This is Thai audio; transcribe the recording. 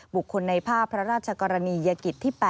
บุคคลในภาพพระราชกรณียกิจที่๘